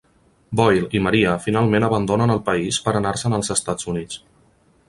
Boyle i Maria finalment abandonen el país per a anar-se'n als Estats Units.